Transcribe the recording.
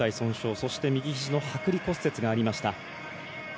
そして右ひじのはく離骨折がありました。